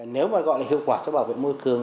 nếu mà gọi là hiệu quả cho bảo vệ môi trường